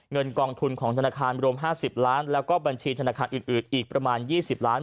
เงินกองทุนของธนาคารรวม๕๐ล้านแล้วก็บัญชีธนาคารอื่นอีกประมาณ๒๐ล้าน